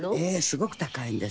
すごく高いんですよ。